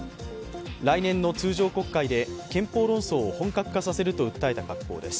来年の通常国会で憲法論争を本格化させると訴えた格好です。